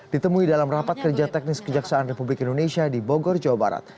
ditemui dalam rapat kerja teknis kejaksaan republik indonesia di bogor jawa barat